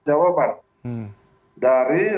dari rumah sakit